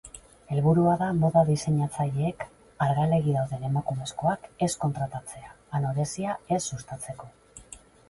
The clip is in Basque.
Helburua da moda diseinatzaileek argalegi dauden emakumezkoak ez kontratatzea, anorexia ez sustatzeko.